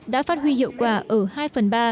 đã phát huy hiệu quả ở hai phần ba